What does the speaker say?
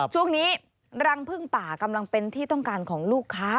ช่วงนี้รังพึ่งป่ากำลังเป็นที่ต้องการของลูกค้า